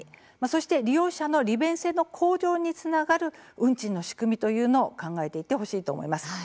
そして利用者の利便性の向上につながる運賃の仕組みというのを考えていってほしいと思います。